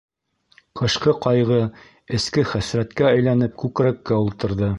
Тышҡы ҡайғы, эске хәсрәткә әйләнеп, күкрәккә ултырҙы.